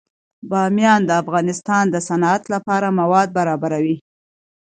بامیان د افغانستان د صنعت لپاره مواد برابروي.